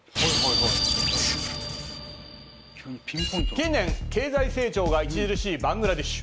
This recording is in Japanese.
近年経済成長が著しいバングラデシュ。